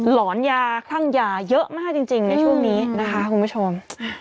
หลอนยาคลั่งยาเยอะมากจริงในช่วงนี้นะคะคุณผู้ชม